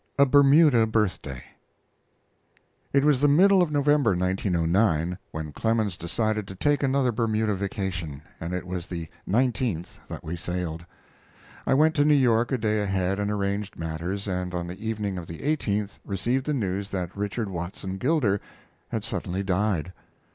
A BERMUDA BIRTHDAY It was the middle of November, 1909, when Clemens decided to take another Bermuda vacation, and it was the 19th that we sailed. I went to New York a day ahead and arranged matters, and on the evening of the 18th received the news that Richard Watson Gilder had suddenly died.